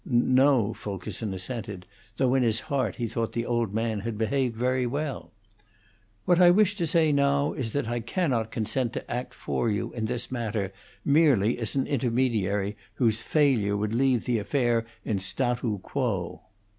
"No," Fulkerson assented; though in his heart he thought the old man had behaved very well. "What I wish to say now is that I cannot consent to act for you, in this matter, merely as an intermediary whose failure would leave the affair in state quo."